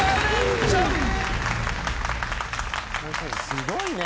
すごいね。